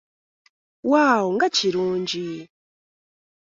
Waawo, nga kirungi!